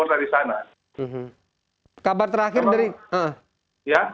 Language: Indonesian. teman teman kita juga susah juga keluar dari sana